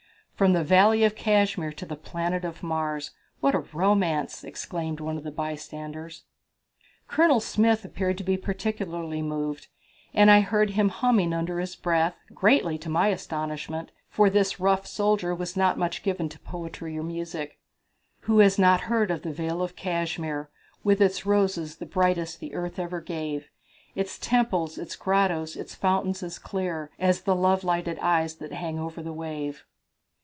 "From the Valley of Cashmere to the planet Mars what a romance!" exclaimed one of the bystanders. Colonel Smith appeared to be particularly moved, and I heard him humming under his breath, greatly to my astonishment, for this rough soldier was not much given to poetry or music: "Who has not heard of the Vale of Cashmere, With its roses the brightest that earth ever gave; Its temples, its grottoes, its fountains as clear, As the love lighted eyes that hang over the wave."